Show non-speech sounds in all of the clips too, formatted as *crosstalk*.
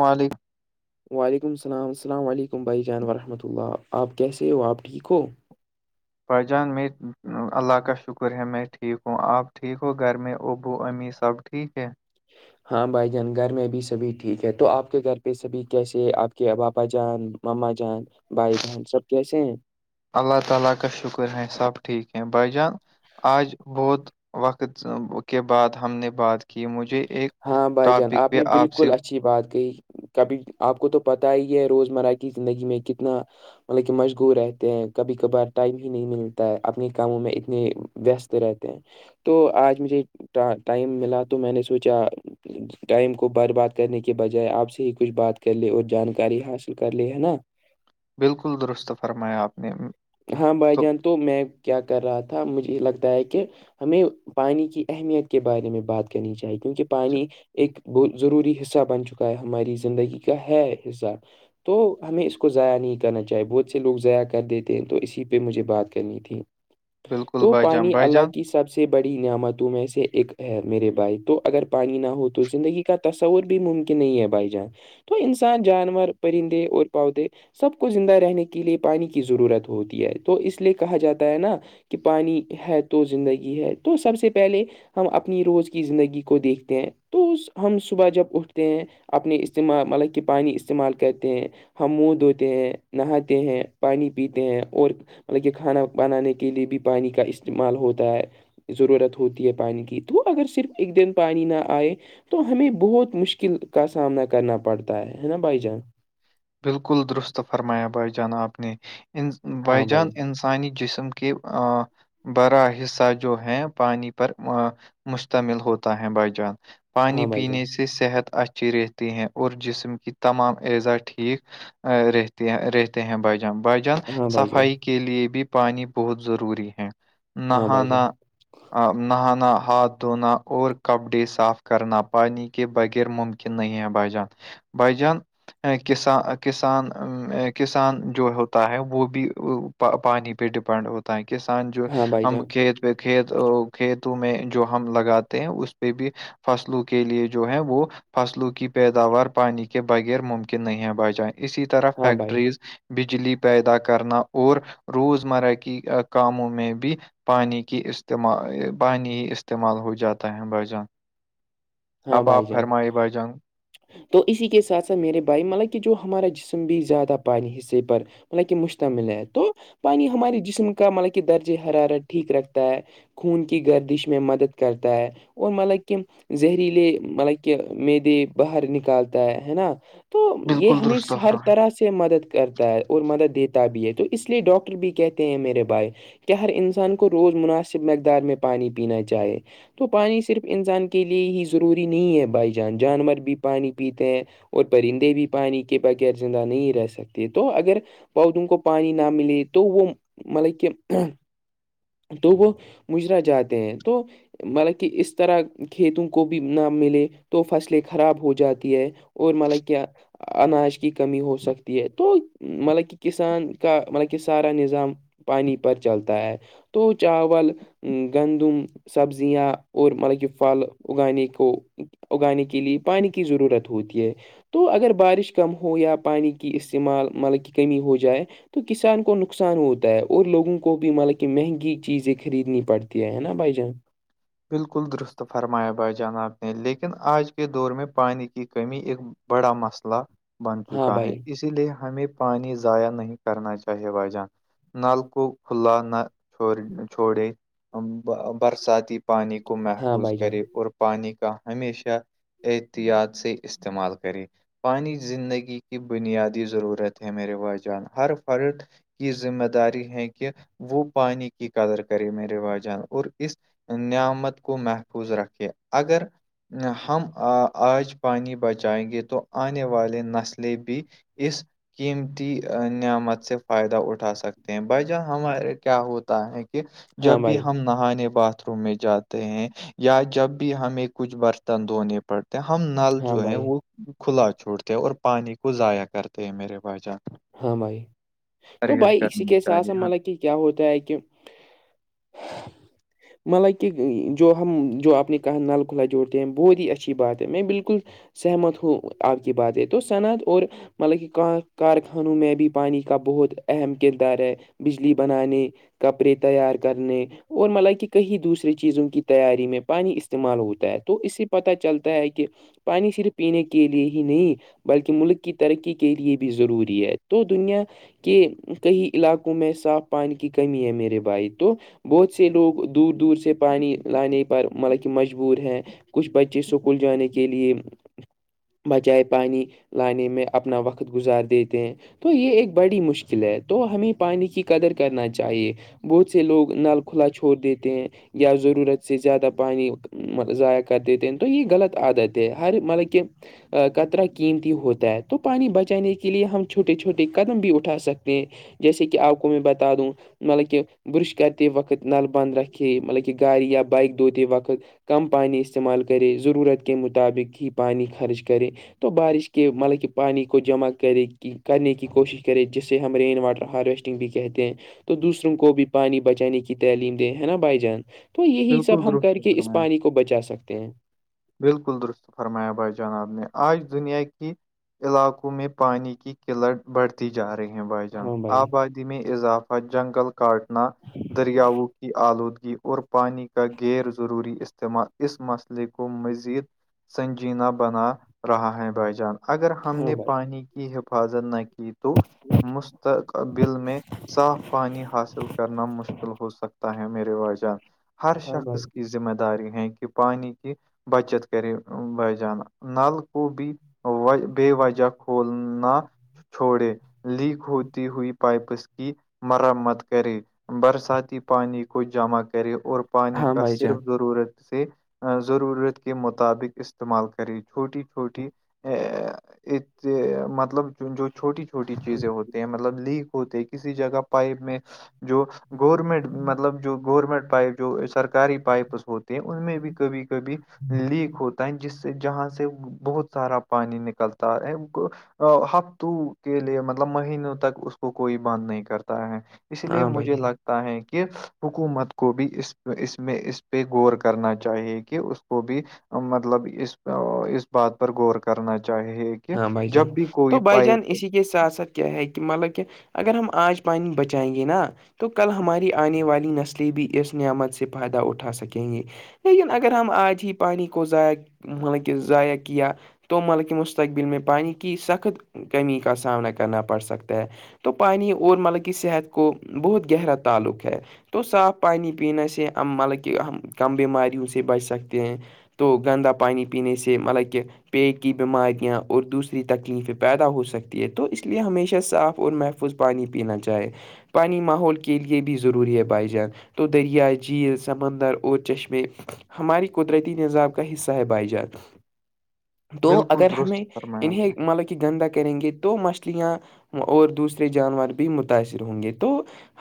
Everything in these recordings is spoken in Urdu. والی وعلیکم السلام السلام علیکم بھائی جان وورحمۃ اللہ آپ کیسے ہو آپ ٹھیک ہو پرجان میں اللہ کا شکر ہے میں ٹھیک ہوں آپ ٹھیک ہو گھر میں ابو امی سب ٹھیک ہے ہاں بھائی جان گھر میں بھی سبھی ٹھیک ہے تو آپ کے گھر پہ سبھی کیسے آپ کے باابا جان مما جان بھائی بہن سب کیسے ہیں اللہ تعالی کا شکر ہے سب ٹھیک ہیں بائی جان آج بت وقت کے بعد ہم نے بات کی مجھے ایک ہاں بھائی جان ٹاپک پہ نے آپ سے بالکل اچھی بات کہئی کبھی آپ کو تو پتا ہی ہے روزمرہ کی زندگی میں کتنا مطلب کہ مشغور رہتے ہیں کبھی کبھار ٹائم ہی نہیں ملتا ہے اپنے کاموں میں اتنے وست رہتے ہیں تو آج مجھے ٹائم ملا تو میں نے سوچا ٹائم کو برباد کرنے کے بجائے آپ سے ہی کچھ بات کر لے اور جانکاری حاصل کر لے ہے نا بالکل درست فرمایا آپ نے ہاں بھائی جان تو میں کیا کر رہا تھا مجھے لگتا ہے کہ ہمیں پانی کی اہمیت کے بارے میں بات کرنی چاہیے کیونکہ پانی ایک ضروری حصہ بن چکا ہے ہماری زندگی کا ہے حصہ تو ہمیں اس کو ضائع نہیں کرنا چاہیے بہت سے لوگ ضاع کر دیتے تو اسی پہ مجھے بات کرنی تھی بالکل تو بھائی جان پانی بھائی اللہ جان کی سب سے بڑی نعامتوں میں سے ایک ہے میرے بھائی تو اگر پانی نہ ہو تو زندگی کا تصور بھی ممکن نہیں ہے بھائی جان تو انسان جانور پرندے اور پودے سب کو زندہ رہنے کے لیے پانی کی ضرورت ہوتی ہے تو اس لیے کہا جاتا ہے نا کہ پانی ہے تو زندگی ہے تو سب سے پہلے ہم اپنی روز کی زندگی کو دیکھتے ہیں تو اس ہم صبح جب اٹھتے ہیں اپنے استعمال مطلب کہ پانی استعمال کرتے ہیں ہم منہ دھوتے ہیں نہاتے ہیں پانی پیتے ہیں اور مطلب یہ کھانا بنانے کے لیے بھی پانی کا استعمال ہوتا ہے ضرورت ہوتی ہے پانی کی تو اگر صرف ایک دن پانی نہ آئے تو ہمیں بہت مشکل کا سامنا کرنا پڑتا ہے ہے نا بھائی جان بالکل درست فرمایا بائی جان آپ نے بائی ہاں جان بھائی انسان سانے جسم کے برا حصہ جو ہے پانی پر مشتمل ہوتا ہے بائی جان پانی ہاں بھائی جان پینے سے صحت اچھی رہتی ہیں اور جسم کی تمام اعضزا ٹھیک رہتے رہتے ہیں بائیجان بائیجان ہاں بھائی جان صفائی کی کے لیے بھی پانی بہت ضروری ہے ہاں بھائی جان نہانا نہانا ہاتھ دھونا اور کپڑے صاف کرنا پانی کے بغیر ممکن کہ نہیں ہے بائی جان بائی جان اے، کسان کسان کسان جو ہوتا ہے وہ بھی پانی پہ ڈپینڈ ہوتا کسان جو ہاں بھائی ہم جان کھیت کھیت کھیتوں میں جو ہم لگاتے ہیں اس پہ بھی فصلوں کے لیے جو ہے وہ فصلوں کی پیداوار پانی کے بغیر ممکن کہ نہیں ہے بائی جائے اسی طرح ہاں بھائی فیکٹریز بجلی پیدا کرنا اور روزمرہ کی کاموں میں بھی پانی کی استعمال پانی ہی استعمال ہو جاتا ہے بھائی جان ہاں آپ بھائی آپ جان فرمائے بھائی جان تو اسی کے ساتھ ساتھ میرے بھائی مطلب کہ جو ہمارا جسم بھی زیادہ پانی حصے پر مطلب کہ مشتمل ہے تو پانی ہمارے جسم کا مطلب کہ درجہ حرارت ٹھیک رکھتا ہے خون کی گردش میں مدد کرتا ہے اور مطلب کہ زہریلے مطلب کہ م دے باہر نکالتا ہے ہے نا تو یہ بالکل درست ہمیش ہر فرمائے طرح سے مدد کرتا ہے اور مدد دیتا بھی ہے تو اس لیے ڈاکٹر بھی کہتے ہیں میرے بھائی کہ ہر انسان کو روز مناسب مقدار میں پانی پینا چاہے تو پانی صرف انسان کے لیے ہی ضروری نہیں ہے بھائی جان جانور بھی پانی پیتے ہیں اور پرندے بھی پانی کے بغیر زندہ نہیں رہ سکتے تو اگر پودوں کو پانی نہ ملے تو وہ مطلب کہ تو وہ مجرا جاتے ہیں تو مطلب کہ اس طرح کھیتوں کو بھی نہ ملے تو فصلیں خراب ہو جاتی ہے اور مطلب کیا اناج کی کمی ہو سکتی ہے تو مطلب کہ کسان کا مطلب کہ سارا نظام پانی پر چلتا ہے تو چاول گندم سبزیاں اور مطلب یہ پھل اگانے کو اگانے کے لیے پانی کی ضرورت ہوتی ہے تو اگر بارش کم ہو یا پانی کی استعمال مطلب کہ کمی ہو جائے تو کسان کو نقصان ہوتا ہے اور لوگوں کو بھی مطلب کہ مہنگی چیزیں خریدنی پڑتی ہے ہے نا بھائی جان بالکل درست فرمایا بائے جانب نے لیکن آج کے دور میں پانی کی کمی ایک بڑا مسئلہ بن ہاں چکا ہے بھائی اس اسی لیے ہمیں پانی ضائع نہیں کرنا چاہیے وائیجان نل کو کھلا نہ چھڑ چھوڑے برساتی پانی کو ہاں محفوظ بھائی جان کرے اور پانی کا ہمیشہ احتیاط سے استعمال کریں پانی زندگی کی بنیادی ضرورت ہے میر رے بھائی جان ہر فرد کی ذمہ داری ہے کہ وہ پانی کی قدر کرے میں روا جان اور اس نعمت کو محفوظ رکھے اگر ہم آج پانی بچائیں گے تو آنے والے نسلیں بھی اس قیمتی نعمت سے فائدہ اٹھا سکتے ہیں بھائی جان ہمارے کیا ہوتا ہے کہ جب ہاں بھی بھائی ہم نہانے بات روم میں جاتے ہیں یا جب بھی ہمیں کچھ برتن دھونے پڑتے ہم نل ہاں جو ہے بھائی وہ کھلا چھوڑتے ہیں اور پانی کو ضائع کرتے ہیں میرے بائی جان ہاں بھائی تو پرہیز بھائی اسی کرنا کے ساتھ چاہیے ہاں مطلب کہ کیا ہوتا ہے کہ *inaudible* مطلب کی جو ہم جو اپنے کہاں نل کھلا جوڑتے ہیں بہت ہی اچھی بات ہے میں بالکل سہمت ہو آپ کی بات ہے تو صنعت اور مطلب کہ کار انوں میں بھی پانی کا بہت اہم کردار ہے بجلی بنانے کپڑے تیار کرنے اور مطلب کہ کہیں دوسرے چیزوں کی تیاری میں پانی استعمال ہوتا ہے تو اس سے پت چلتا ہے کہ پانی صرف پینے کے لئے ہی نہیں بلکہ ملک کی ترقی کے لئے بھی ضروری ہے تو دنیا کہ کئی علاقوں میں صاف پانی کی کمی ہے میرے بھائی تو بہت سے لوگ دور دور سے پانی لانے پر مطلب کہ مجبور ہیں کچھ بچے اسکول جانے کے لیے بچائے پانی لانے میں اپنا وقت گزار دیتی ہیں تو یہ ایک بڑی مشکل ہے تو ہمیں پانی کی قدر کرنا چاہیے بہت سے لوگ نل کھلا چھوڑ دیتے ہیں یا ضرورت سے زیادہ پانی ضائع کر دیتے ہیں تو یہ غلط عادت ہے ہر مطلب کہ کطرا قیمتی ہوتا ہے تو پانی بچانے کے لیے ہم چھوٹے چھوٹے قدم بھی اٹھا سکتے ہیں جیسے کہ آپ کو میں بتا دوں مطلب کہ برش کرتے وقت نل بند رکھے مطلب کہ گاڑی یا بائیک دھوتے وقت کم پانیانی استعمال کرے ضرورت کےے مطابق ہی پانی خرچ کرے تو بارش کے مطلب کہ پانی کو جمع کرے کرنے کی کوشش کرے جس سے ہم رین واٹر ہارویسٹنگ بھی کہتے ہیں تو دوسروں کو بھی پانی بچانے کی تعلیم دے ہے نا بھائی جان تو یہی سب بالکل ہم کر درست کے اس فرمایا پانی کو بچا سکتے ہیں بالکل درست فرمایا بھائی جناب نے آج دنیا کی علاقوں میں پانی کی قلت بڑھتی جا رہی ہے بھائی جان ہاں بھائی آبادی میں اضافہ جنگل کاٹنا دریاؤوں کی آلودگی اور پانی کا غیر ضروری استعمال اس مسئلے کو مزید سنجینہ بنا رہا ہے بھائی جان اگر ہم ہاں نے بھائی پانی کی حفاظت نہ کی پی توو مستقبل میں صاف پانی حاصل کرنا مشکل ہو سکتا ہیں میرے واجان ہر ہاں بھائی شخص کی ذمہ داری ہے کہ پانی کی بچت کرے با جانہ نلکوبی و بے وجہہ کھولنا چھوڑے لیک ہوتی ہوئی پائپس کی مرمت کرے برساتی پانی کو جمع کرے اور پانی ہاں کا بھائی جان صرف ضرورت سے ضرورت کے مطابق استعمال کریں چھوٹی چھوٹی ا ا مطلب جو جو چھوٹی چھوٹی چیزیں ہوتے ہیں مطلب لیک ہوتے کسی جگہ پائپ میں جو گورمنٹ مطلب جو گورمنٹ پائپ جو سرکاری پائپس ہوتے ہیں ان میں بھی کبھی کبھی لیک ہوتا ہے جس سے جہاں سے بہت سارا پانی نکلتا ہے ہفتوں کے لیے مطلب مہینوں تک اس کو کوئی بند نہیں کرتا ہے اس لیے ہاں بھائی مجھے جان لگتا ہے کہ حکومت کو بھی اس تو اس میں اس پہ غور کرنا چاہیے کہ اس کو بھی مطلب اس اس بات پر غور کرنا چاہیے کہ جب بھی کوئی پائی یہ ساتھ ساتھ کیا ہے کہ مطلب کہ اگر ہم آج پانی بچائیں گے نا تو کل ہماری آنے والی نسلیں بھی اس نعمت سے فائدہ اٹھا سکیں گے لیکن اگر ہم آج ہی پانی کو ضائع ملک ضائع کیا تو مل مستقبل میں پانی کی سخت کمی کا سامنا کرنا پڑ سکتا ہے تو پانی اور مطلب کہ صحت کو بہت گہرا تعلق ہے تو صاف پانی پینے سے ہم مطلب کہ ہم کم بیماریوں سے بچ سکتے ہیں تو گندا پانی پینے سے مطلب کہ پیٹ کی بیماری یا اور دوسری تکلیفیں پیدا ہو سکتی ہے تو اس لیے ہمیشہ صاف اور محفوظ پانی پینا چاہے پنے ماحول کے لیے بھی ضروری ہے بائی جان تو درییا جھیل سمندر اور چشمے ہماری قدرتی نظام کا حصہ ہے بھائی جان تو بالکل اگر درست ہمیں فرمایا آپ نے انہیں مطلب گندا کریں گے تو مچھلیاں اور دوسرے جانور بھی متاثر ہوں گے تو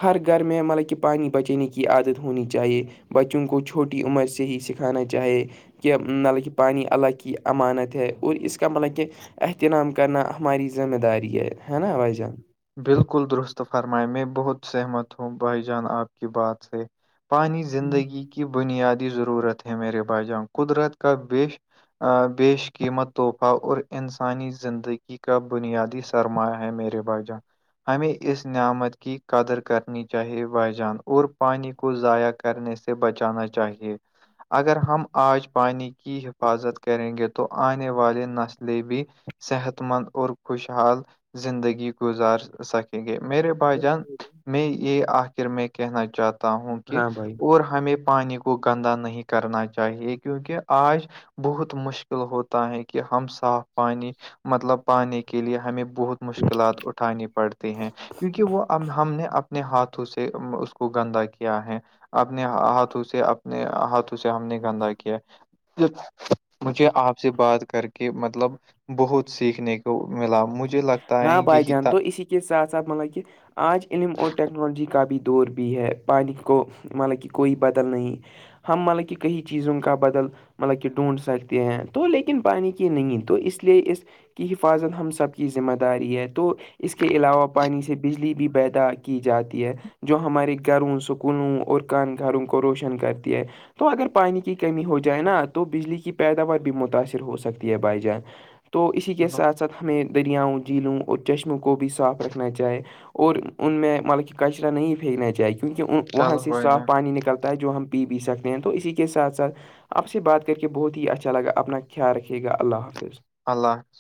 ہر گھر میں مطلب کہ پانی بچنے کی عادت ہونی چاہیے بچوں کو چھوٹی عمر سے ہی سکھانا چاہے کہ مطلب کہ پانی اللہ کی امانت ہے اور اس کا مطلب کہ احترام کرنا ہماری ذمہ داری ہے ہے نا بھائی جان بالکل درست فرمائے میں بہت سہمت ہوں بھائی جان آپ کی بات سے پانی زندگی کی بنیادی ضرورت ہے میرے بھائی جان قدرت کا بیش بیش قیمت تحفہ اور انسانی زندگی کا بنیادی سرما ہے میرے بھائی جان ہمیں اس نعمت کی قدر کرنی چاہیے بائی جان اور پانی کو ضائع کرنے سے بچانا چاہیے اگر ہم آج پانی کی حفاظت کریں گے تو آنے والے نسلیں بھی صحت مند اور خوشحال زندگی گزار سکیں گے میرے بھائی جان میں یہ آخر میں کہنا چاہتا ہوں کہ ہاں بھائی اور ہمیں پانی کو گندا نہیں کرنا چاہیے کیونکہ آج بہت مشکل ہوتا ہے کہ ہم صاف پانی مطلب پانے کے لیے ہمیں بہت مشکلات اٹھانی پڑتی ہیں کیونکہ وہ ہم نے اپنے ہاتھوں سے اس کو گندا کیا ہے اپنے ہاتھوں سے اپنے ہاتھوں سے ہم نے گندا کیا مجھے آپ سے بات کر کے مطلب بہت سیکھنے کو ملا مجھے لگتا ہے ہاں بھائی یہی جان تھا تو اسی کے ساتھ ساتھ مطلب کہ آج علم اور ٹیکنالوجی کا بھی دور بھی ہے پانی کو مطلب کہ کوئی بدل نہیں ہم مطلب کہ کئی چیزوں کا بدل مطلب کہ ڈھونڈ سکتے ہیں تو لیکن پانی کی نہیں تو اس لیے اس کی حفاظت ہم سب کی ذمہ داری ہے تو اس کے علاوہ پانی سے بجلی بھی پیدا کی جاتی ہے جو ہمارے گھروں سکولوں اور کان گھروں کو روشن کرتی ہے تو اگر پانی کی کمی ہو جائے نا تو بجلی کی پیداوار بھی متاثر ہو سکتی ہے بھائی جان تو اسی کے چلو ساتھ ساتھ ہمیں دریاؤں جھیلوں اور چشموں کو بھی صاف رکھنا چاہے اور ان میں مطلب کہ کچرا نہیں پھینکنا چاہی کیونکہ وہاں چلو سے بھائی صاف جان پانی نکلتا ہے جو ہم پی بھی سکتے ہیں تو اسی کے ساتھ ساتھ آپ سے بات کر کے بہت ہی اچھا لگا اپنا خیال رکھے گا اللہ حافظ اللہ حفظ